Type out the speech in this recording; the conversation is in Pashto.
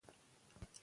ناپوهي مه منئ.